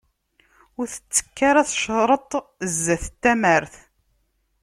Ur tettekk ara tecreṭ zdat tamart.